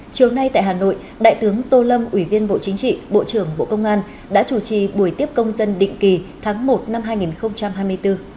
chiều nay tại hà nội đại tướng tô lâm ủy viên bộ chính trị bộ trưởng bộ công an đã chủ trì buổi tiếp công dân định kỳ tháng một năm hai nghìn hai mươi bốn